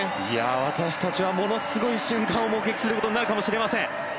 私たちはものすごい瞬間を目撃することになるかもしれません。